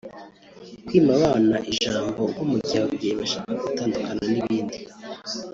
kwima abana ijambo nko mu gihe ababyeyi bashaka gutandukana n’ibindi